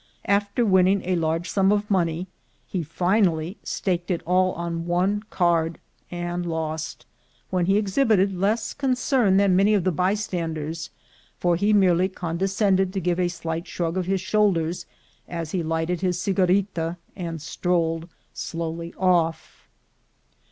After winning a large sum of money, he finally staked it all on one card, and lost, when he exhibited less concern than many of the bystanders, for he merely condescended to give a slight shrug of his shoulders as he lighted his cigarita and strolled slowly off.